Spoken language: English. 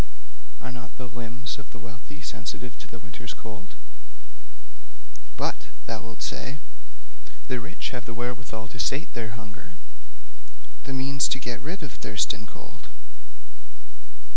Are not the limbs of the wealthy sensitive to the winter's cold? "But," thou wilt say, "the rich have the wherewithal to sate their hunger, the means to get rid of thirst and cold."